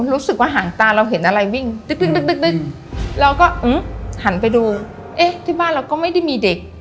รู้สึกว่าห่างตาเราเห็นอะไรวิ่งเราก็หันไปดูเอ๊ะที่บ้านเราก็ไม่ได้มีเด็ก